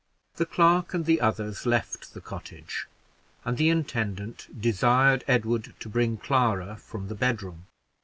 The clerk and the others left the cottage, and the intendant desired Edward to bring Clara from the bedroom.